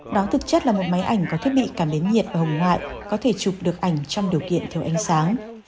đó thực chất là một máy ảnh có thiết bị cảm biến nhiệt ở hồng ngoại có thể chụp được ảnh trong điều kiện theo ánh sáng